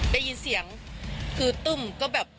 ได้ยินเสียงคือตุ้มก็แบบ